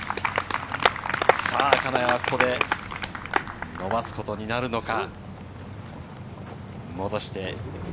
金谷はここで伸ばすことになるのか。